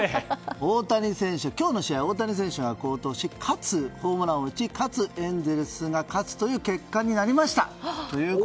今日の試合、大谷選手が好投しかつホームランを打ちかつエンゼルスが勝つという結果になりました。